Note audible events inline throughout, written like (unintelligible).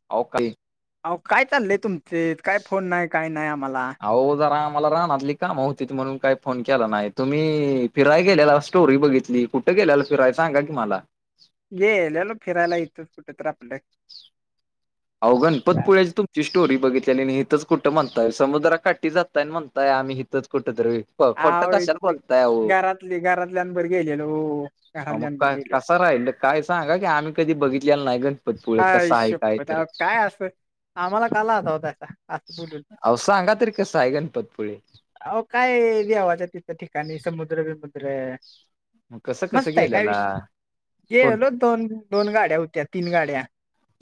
(unintelligible) अव काय चाललंय तुमचे काय फोन नाय काय नाय आम्हाला. अहो जरा आम्हाला राहनातली कामं होती म्हणून काही फोन केला नाही तुम्ही फिराय गेलेला स्टोरी बघितली. कुठे गेल्याला फिराय सांगा की मला? गेलेलो फिरायला इथं कुठेतरी आपलं. अहो गणपतीपुळेची तुमची स्टोरी बघितली आणि इथंच कुठं म्हणताय समुद्र काठी जाताय आणि म्हणताय आम्ही हि इथच कुठेतरी खो खोटं आव कशाला इथे बोलतय ओ घरातली घरातल्यांबर गेलेलो मग घरातल्यांबर का गेलेलो कसा राहिल काय सांगा की आम्ही कधी बघितलेलं नाही गणपतीपुळे आय कसा आहे काय शप्पथ तरी? अहो काय असतोय आम्हाला (unintelligible) असं होतय. अहो सांगा तरी कसा आहे गणपतपुळे? अहो काय देवाच्या ठिकाणी समुद्र विमुद्र. मग कसं कसं मस्त आहे काय गेलेला विष कोण गलो दोन दोन गाड्या होत्या तीन गाड्या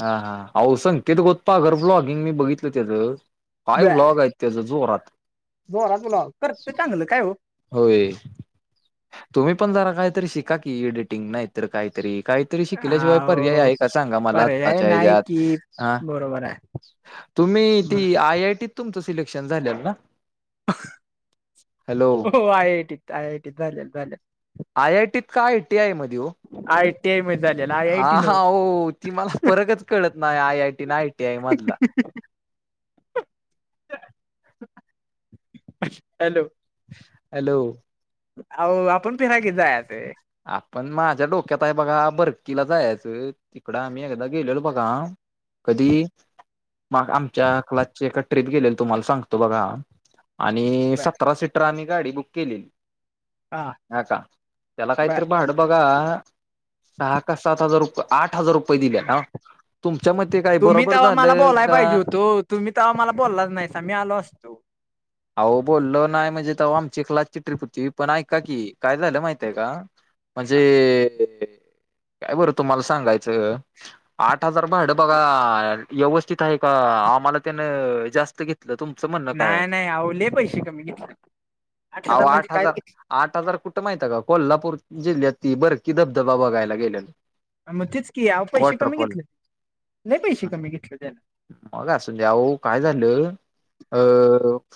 अहो संकेत गोत्तागर ब्लॉगिंग बघितलं मी त्याचं काय ब्लॉग आहेत. त्याजा जोरात (unintelligible) तुला करतोय चांगलं काय हो. होय तुम्ही पण जरा काहीतरी शिका की एडिटिंग नाही तर काहीतरी काहीतरी शिकल्याशिवाय पर्याय अहो आहे का सांगा मला पर्याय आत्ताच्या नाही ह्याच्यात की हा. बरोबर आहे तुम्ही बर ती I I T I I T तुमचं सिलेक्शन झालेल ना? हॅलो हो आय आय टी त आय आय टी त झालेलं झालेलं. आय आय टीत काय आय टी आय मध्ये ओ. आय टी आय मध्ये झालेला आय आय आ टी हा नव्ह हो ती मला परकच कळत ना आय आय टी ना आय टी आय मधला हॅलो. हॅलो. हाओ आपण फिरया कधी जायचंय आपण माझ्या डोक्यात हाय बघा भरतीला जायचं ओ. तिकडं आम्ही एकदा गेलेलो बघा कधी मग आमच्या क्लासची एका ट्ररीप गेलेली तुम्हाला सांगतो बघा. आणि बर सतरा सीटर आम्ही गाडी बुक केलेली हा चा. त्याला बर काहीतरी भाडं बघा सहा का सात हजार रुपये आठ हजार रुपये दिले ना. तुमच्या म ते काय तुम्ही बरोबर तेव्हा मला झालं बोलाय का पाहिजे होतो तुम्ही तर आम्हाला बोललात नाही त आम्ही आलो असतो. अहो बोललो नाही म्हणजे त आमची क्लासची ट्रीप होती पण ऐका की काय झालं माहितय का, म्हणजे काय बरं तुम्हाला सांगायचं आठ हजार भाडं बघा व्यवस्थित आहे का आम्हाला त्याने जास्त घे तुमचं म्हणं काय. नाही नाही ओ लय पैसे कमी घेतलेत. आओ आठ हजार. आठ हजार कुठं माहित आहे. का कोल्हापूर जिल्ह्यात ती भरती धबधबा बघायला गेलेलो. अ ओ मग तेच की पैसे कमी वॉटरफॉल घेतले. लईच पैसे कमी घेतले त्यानं. मग असू द्या. आ हो काय झालं.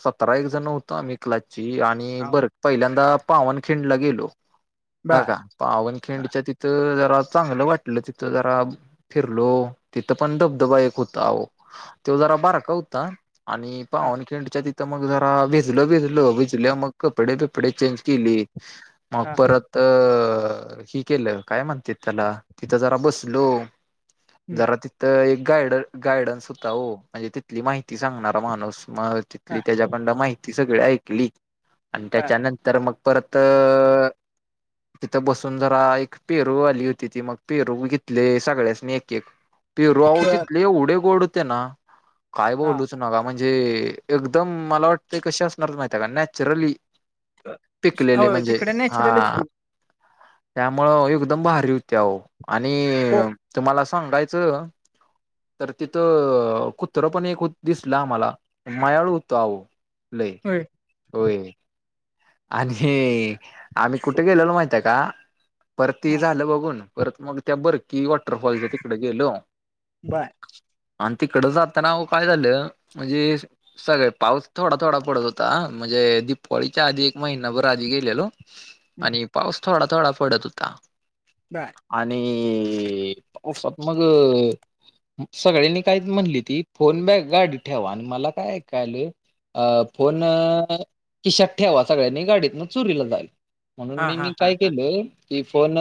सतरा एक जण होतो. आम्ही क्लासची आणि अहो बर पहिल्यांदा पावनखिंडला गेलो. ह बर का हा पावनखिंडच्या तिथं जरा चांगलं वाटलं तिथं जरा. फिरलो तिथं पण धबधबा एक होता. आहों तो जरा बारका होता. आणि हा पावनखिंडच्या तीत तिथं जरा भिजलो भिजलो भिजल्यावर मग कपडे बिपडे चेंज केली. मग हा परत त हि केलं काय म्हणतेत तेला तिथं जरा बसलो. हम्म जरा ति त एक गायड गायडन्स होता हो. म्हणजे तिथली माहिती सांगणार माणूस. मग हा तेच्याकडन माहिती सगळी ऐकली. आणि बर त्याच्यानंतर मग परत अ. तिथं बसून जरा एक पेरू वाली होती. ती मग पेरू घेतले सगळ्यासनी एक एक. (inaudible) पेरू आओ बर तिथले येवढे गोड होते ना. काय हा बोलूच नगा म्हणजे एकदम मला वाटते. कशी असणार माहिती आहे का नॅचरली. पिकलेले हो म्हणजे तिकडे नॅचरलच की हा. त्यामुळं एकदम भारी होती. आओ आणि कोक तुम्हाला असं. सांगायचं तर तिथं कुत्र पण एक होत दिसलं आम्हाला. मायाळू होतं आओ लय होय होय. आणि आम्ही कुठे गेलेलो माहिती का परती हा झालं बघून परत मग. त्या बरकी वाटर फॉल च्या तिकड गेलो. बर. आणं तिकड जाताना ओ काय झालं. म्हणजे सकाळी पाऊस थोडा थोडा पडत होता, म्हणजे दीपावलीच्या आधी महिनाभर आधी गेलेलो. हम्म, आणि पाऊस थोडा थोडा पडत होता. बर. आणि पावसात मग. सगळ्यांनी काही म्हणली ती. फोन बॅग गाडी ठेवा आणि मला काय ऐका आलं. अ फोन खिशात ठेवा. सगळ्यांनी गाडीतन चोरीला जाईल म्हणून हा मी हा मी हा काय हा केलं. की फोन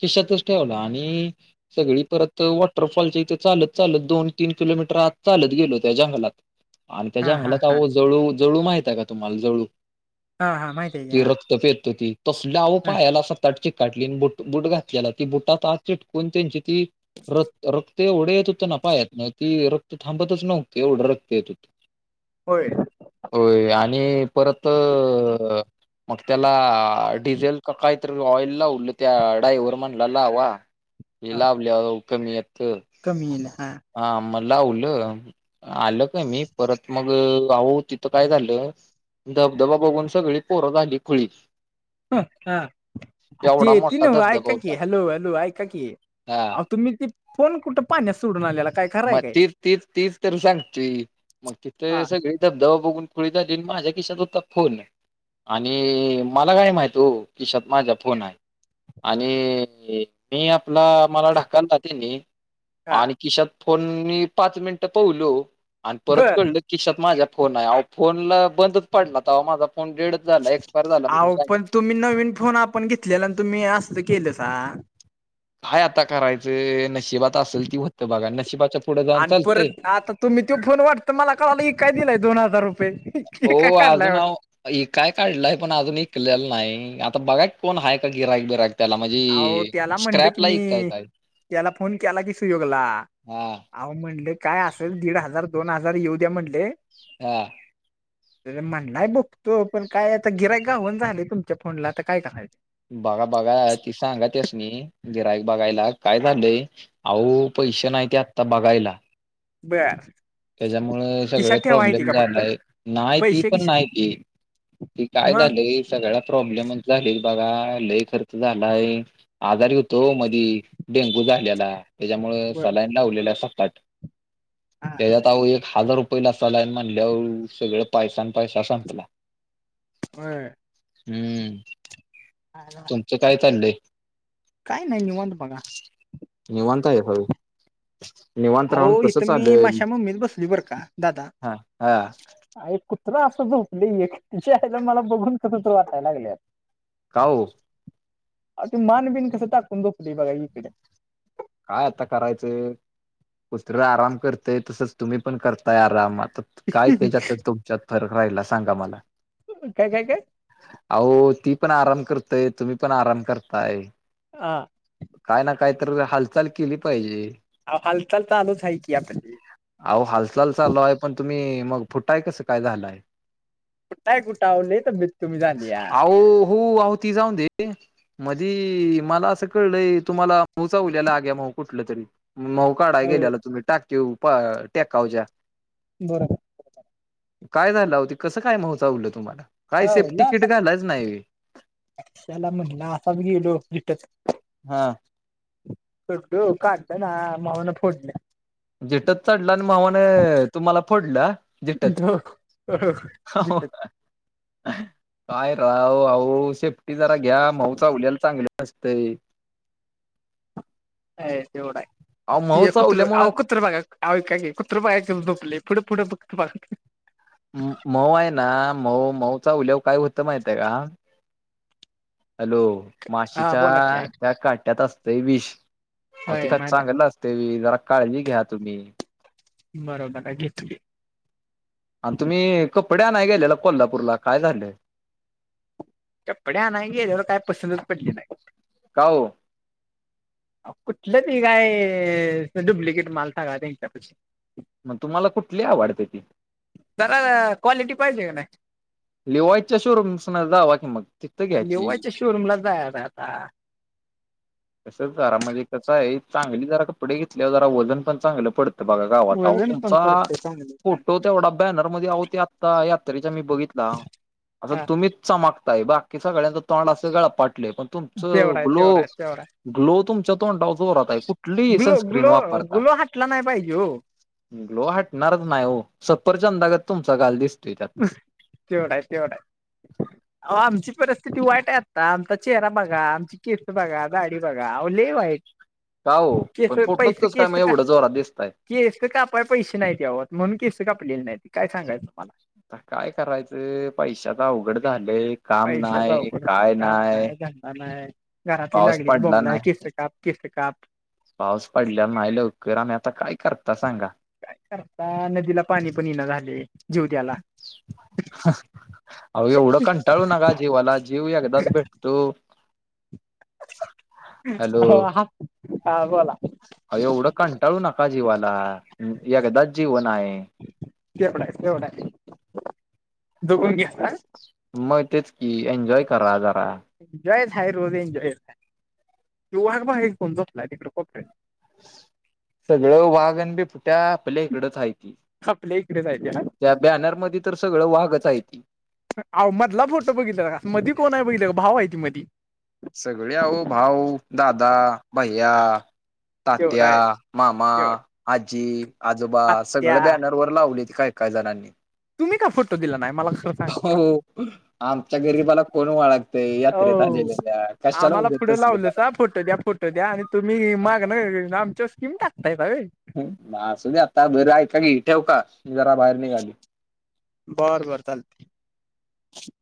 खिशातच ठेवला. आणि सगळी परत वॉटरफॉलच्या इथे चालत चालत दोन तीन किलोमीटर आत चालत गेलो त्या जंगलात. अन त्या हा हा जंगलात हा आओ जळू जळू माहितीये का तुम्हाला जळू, हा हा माहित आहे की ती हा रक्त पेत ती तसल्या आव ह पायाला सताट चिकाटली बुट बुट घातलेला ती बुटात आत. चिटकून त्यांनची ती रक्त र ते एवढं येत होतं ना पायातनं. की रक्त थांबतच नव्हतं एवढं रक्त येत होतं. होय. होय आणि परत. मग त्याला डिझेल का काहीतरी ऑइल लावलं त्या डाईव्हर म्हणला लावा. ये हा लावल्यावर कमी येत. कमी येईल हा. हा मग लावलं. आलं कमी परत मग आहो तिथं काय झालं धबधबा बघून सगळी पोरं झाली खुळी. ह ते एवढा तिन मोठा आय धबधबा होता. काकी (unintelligible) हॅलो हॅलो आय काकी हा तुम्ही ती फोन कुठे पाण्या सोडून आलेला काय खरंय मग काय तीच तीच तीच तर सांगतुयं मग तिथं हा सगळे धबधबा बघून खुळी झाली माझ्या खिशात होता फोन. आणि मला काय माहित हो खिशात माझ्या फोन हाय. आणि मी आपला मला ढकलला त्यांनी हा आणि खिशात फोन मी पाच मिनिट पवलो आणि परत बर कळलं किशात माझ्या फोन आहे आवो फोनला बंदच पाडला तर माझा फोन डेड झाला एक्सपायर झाला अहो पण तुम्ही नवीन फोन आपण घेतलेला आणि तुम्ही असत केलंसा खाय आता करायचं नशिबात असेल ती होत्त बघा नशिबाचा आणि परत आता तुम्ही तो फोन वाटत मला कळाला क काय विकायला दिलाय दोन हजार रुपये (unintelligible) ईकाय काढलं आहे पण अजून ईकलेलं नाही आता बघाय कोण आहे का गिराक बिराक आवो त्याला म्हंणलं की मी आहे त्याला फोन केला कि सुयोगला. हा आवो म्हणल काय असेल दीड हजार दोन हजार येऊ द्या म्हणल. हा. म्हणलाय बघतो पण काय आता गिरायक गाव ना झालय तुमच्या फोनला आता काय करायच. बघा बघा की सांगा त्यासनी गिऱ्हाईक बघायला. काय झालंय अहो पैसे नाही ते आत्ता बघायला. बर. त्याच्यामुळे खिशात सगळं ठेवा येते प्रॉब्लेम का फक्त झालाय नाही ती पैसे पण खिशात नाही ती कि काय मग झालंय सगळ्या प्रॉब्लेमच झाले बघा लय खर्च झालाय. आजारी होतो मधी डेंगू झालेला त्याच्यामुळे बर सलाईन लावलेला सात आट हा त्याच्यात आहो एक हजार रुपयला सलाईन म्हणल्यावर सगळ पैसा आणि पैसा संपला. होय. हम्म. (unintelligible) तुमचं काय चाललंय? काय नाही निवांत बघा. निवांत हाय व्हय निवांत राहून कसं तर मी चालेल? माशा मम्मीच बसलोय बर का दादा. हा हा काय कुत्र असं झोपलय एक च्यायला मला बघून कस तर वाटायला लागलय. का ओ? आवो ते मान बिन कस टाकून झोपते बघा की इकड. काय आता करायचं? कुत्र आराम करतय तसंच तुम्ही पण करताय आराम आ काय त्याच्यात तुमच्यात फरक राहिला सांगा मला. काय काय काय? आओ ती पण आराम करतय तुम्ही पण आराम करताय. हा. काय ना काय तर हालचाल केली पाहिजे. हालचाल चालूच हाय की आता. आहों हालचाल चालू आहे पण, तुम्ही मग फुटाय कसं काय झालाय. फुटाय कुठे आओ लई तब्येत कमी झाल्या. अहो हो ते जाऊदे मधी मला असं कळय तुम्हाला महू चावलेला. कुठलं तरी मऊ काढाय हो गेलेला. तुम्ही टाकी वरच्या टेका वरच्या. बर. काय झालं आहो कसं काय महू चावलं तुम्हाला काय हो सेफ्टी ला किट घालाच नाही व्हय. कशाला म्हणलो असाच गेलो भेटत. हा. चढलो काडल ना माव्हान फोडलं. झेटत चढला आणि म्हवानं तुम्हाला फोडलं झेटत. (unintelligible) काय राव अ ओ सेफ्टी जरा घ्या. मवु चावलेलं चांगलं नसतंय. व्हय तेवडाय अहो मऊ हे कुत्र चावल्यामुळं अहो कुत्र बगा. आहों ऐका की कुत्र बघा की कस झोपलय पुढ पुढ बघा की नुसतं. मऊ आहे ना मऊ मऊचा चावले वर काय होतं माहितय का. हॅलो हा माशीच्या बोला की ऐक त्या काट्यात असतंय विष. आओ होय तिका माहित चांगल असते व्हयं जरा काळजी घ्या तुम्ही. बरोबर ये घेतो घे. आणि तुम्ही कपडे आणाय गेलेला कोल्हापूरला काय झालं. कपडे आणाया गेलेलो काय पसंतच पडले नाही. का ओ? कुठलं ते काय सगळा डुबलीकेट माल सगळा त्यांच्या पाशी. मग तुम्हाला कुठली आवडत्या ती. जरा क्वालिटी पाहिजे का नाही. लिवायच्या शोरूमस जावा की मग तिथं घ्यायची. शोरूमलाच जायाचा आता. तसच करा हे चांगली जरा कपडे घेतल्यावर जरा वजन पण चांगलं पड बघा गावात आहो वजन पण तुमचा पडतंय चांगलं फोटोत. तेवढा बॅनर मध्ये आहों आता यात्रेच्या मी बघितला अहो हा तुम्हीच चमक ते बाकी सगळ्यांच तोंड असं गळ पाटले पण तुमचं तेवढा आहे तेवढा ग्लो. आहे तेवढा ग्लो तुमच्या तोंडावर जोरात हाय, आहे कुठली ग्लो सनस्क्रीन ग्लो वापरता. ग्लो हटला नाही पाहिजे हो ग्लो हटणारच नाही हो, सफरचंदागत तुमचा गाल दिसतोय त्यात. तेवढ आय, तेवढ आय. आहो आमची परिस्थिती वाईट आहे. आता आमचा चेहरा बघा आमची केस बघा दाडी बघा अवो लय वाईट. का हो केस पण फोटोत पैसे कस काय केस मग का एवढं जोरात दिसताय. केस कापाय पैसे नाहीती. आव म्हणून केस कापलेली नाहीती काय सांगायचं तुमाला. काय करायचं, पैशाचं अवघड झालंय. काम पैशाचं नाही अवघड हाय. काय काम नाही धंदा नाही पाऊस घरातली पडला बोंबला नाही लागलीत केस काप. केस काप. पाऊस पडल्याला नाही लवकर आणि आता काय करता सांगा. काय करता नदीला पाणी पण येईना झाले जीव द्याला. (inaudible) अवो एवढ कंटाळू नका जीवला जीव एकदाच भेटतो. हॅलो (unintelligible) बोला. अ एवढं कंटाळू नका जीवाला एकदाच जीवन आहे. (unintelligible) तेवढ हाय तेवढ हाय जगून घ्या. मग तेच की एन्जॉय करा जरा. एन्जॉयच हाय रोज एन्जॉयस आहे. (unintelligible) सगळं वाघ अन बिबट्या आपल्या हिकडच हाईत. आपल्या हिकडच हायती ना. त्या बॅनरमध्ये तर सगळं वागच आहे. आवो मधला फोटो बघितला का मधी कोण हाय बघितला का अभाव हायती मधी. सगळे आवो भाऊ दादा भैया तेवढा तात्या आहे मामा तेवढा आजी आजोबा सगळ आत्या बॅन वर लावलेत काय काय जणांनी. तुम्ही का फोटो दिला नाही मला खरं सांगा बरं हो आमच्या गरीबाला कोण ओळखतय ते यात्रेत हो आलेले त्या कशाला आम्हाला पुढे उगाचच लावलं फोटो द्या फोटो द्या आणि तुम्ही मागण आमच्याव स्कीम टाकतायसा होय. असू द्या आता बरं ऐका की ठेवू का जरा बाहेर निघालय. बर बरं चालते.